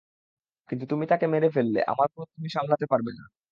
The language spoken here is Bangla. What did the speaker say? কিন্তু তুমি তাকে মেরে ফেললে, আমার ক্রোধ তুমি সামলাতে পারবে না।